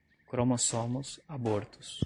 cromossomos, abortos